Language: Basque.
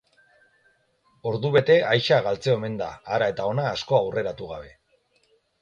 Ordu bete aise galtzen omen da hara eta hona asko aurreratu gabe.